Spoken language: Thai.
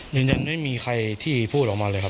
ไม่มีใครที่พูดออกมาเลยครับ